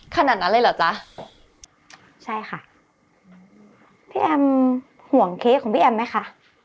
ขนาดนั้นเลยเหรอจ๊ะใช่ค่ะพี่แอมห่วงเค้กของพี่แอมไหมคะ